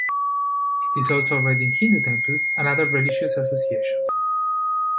It is also read in Hindu Temples and other religious associations.